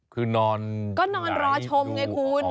คือนอนก็นอนรอชมไงคุณ